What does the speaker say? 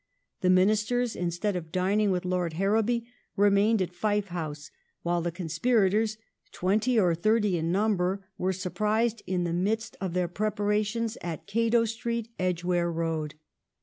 The Ministers instead of dining with Lord Harrowby remained at Fife House, while the con spirators, twenty or thirty in number, were surprised in the midst of their preparations at Cato Street, Edgware Road.